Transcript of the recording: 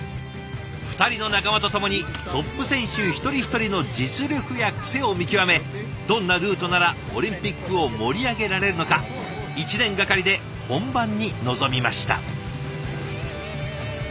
２人の仲間と共にトップ選手一人一人の実力や癖を見極めどんなルートならオリンピックを盛り上げられるのか１年がかりで本番に臨みました。